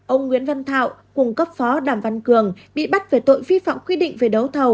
ông nguyễn văn thảo cung cấp phó đàm văn cường bị bắt về tội vi phạm quy định về đấu thầu